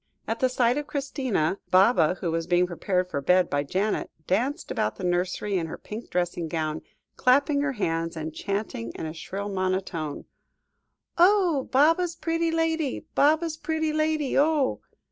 At sight of Christina, Baba, who was being prepared for bed by Janet, danced about the nursery in her pink dressing gown, clapping her hands and chanting in a shrill monotone "Oh! Baba's pretty lady, Baba's pretty lady, oh!"